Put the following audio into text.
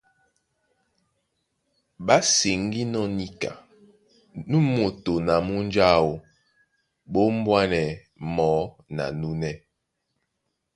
Ɓá seŋgínɔ́ níka nú moto na nú munja áō ɓá ombwanɛ̌ mɔɔ́ na núnɛ́.